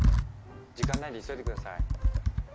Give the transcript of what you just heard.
時間ないんで急いでください。